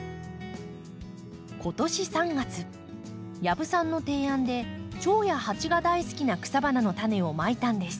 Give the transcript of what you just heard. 今年３月養父さんの提案でチョウやハチが大好きな草花の種をまいたんです。